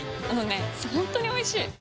本当においしい！